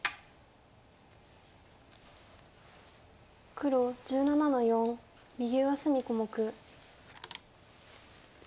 黒１７の四右上隅小目。